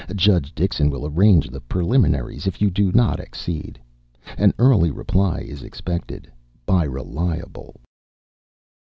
Judge Dixon will arrange the preliminaries if you don't accede. An early reply is expected by RELIABLE.